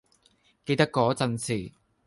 記得嗰陣時